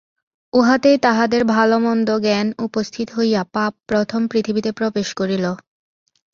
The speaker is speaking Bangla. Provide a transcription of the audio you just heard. উহাতেই তাহাদের ভালমন্দ-জ্ঞান উপস্থিত হইয়া পাপ প্রথম পৃথিবীতে প্রবেশ করিল।